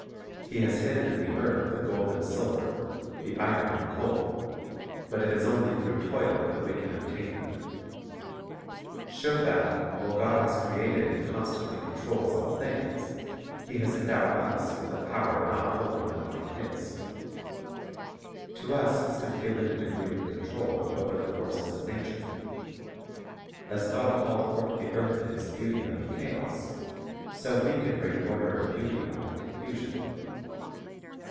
He has hidden in the earth the gold and silver, the iron and coal; but it is only through toil that we can obtain them. Show that, while God has created and constantly controls all things, He has endowed us with a power (214) Ma mi a I Tra i ft i ng 215 not wholly unlike His. To us has been given a degree of control over the forces of nature. As God called forth the earth in its beauty out of chaos, so we can bring order and beauty out of confusion.